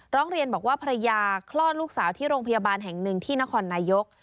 ร้องเรียนบอกว่าภรรยาคลอดลูกสาวที่โรงพยาบาลแห่งหนึ่งที่นครนายก